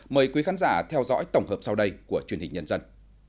mời quý khán giả theo dõi tổng hợp sau đây của truyền hình nhân dân